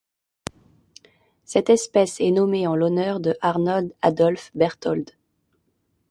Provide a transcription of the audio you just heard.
Cette espèce est nommée en l'honneur de Arnold Adolph Berthold.